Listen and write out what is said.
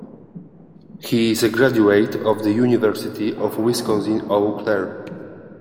He is a graduate of the University of Wisconsin-Eau Claire.